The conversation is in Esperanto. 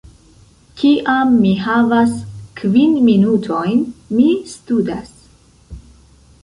Kiam mi havas kvin minutojn, mi studas